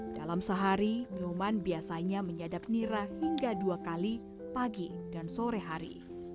dalam sehari nyoman biasanya menyadap nira hingga dua kali pagi dan sore hari